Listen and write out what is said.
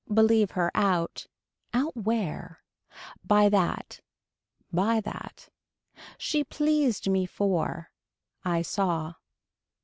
Believe her out. Out where. By that. Buy that. She pleased me for. Eye saw.